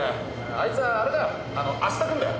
あいつはあれだ明日来んだよ。